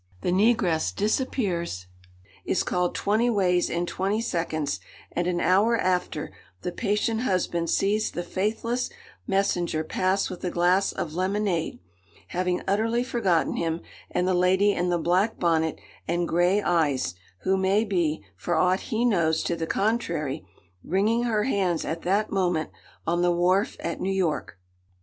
The negress disappears, is called twenty ways in twenty seconds, and an hour after, the patient husband sees the faithless messenger pass with a glass of lemonade, having utterly forgotten him and the lady in the black bonnet and grey eyes, who may be, for ought he knows to the contrary, wringing her hands at that moment on the wharf at New York.